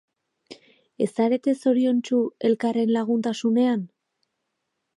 Ez zarete zoriontsu elkarren laguntasunean?